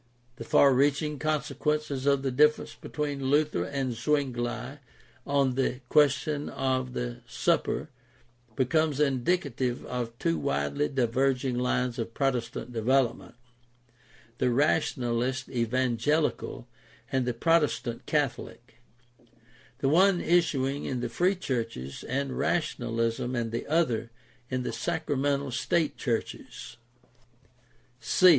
The far reaching consequences of the difference between Luther and Zwingli on the question of the Supper becomes indicative of two widely diverging lines of Protestant development — the Rationalist Evangelical and the Protestant Catholic, the one issuing in the free churches and rationalism and the other in the sacramental state churches.